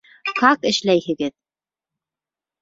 — Как эшләйһегеҙ?